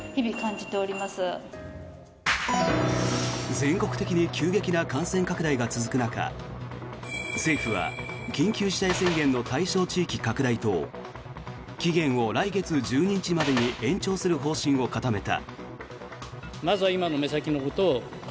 全国的に急激な感染拡大が続く中政府は緊急事態宣言の対象地域拡大と期限を来月１２日までに延長する方針を固めた。